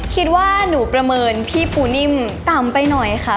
คิดว่าหนูประเมินพี่ปูนิ่มต่ำไปหน่อยค่ะ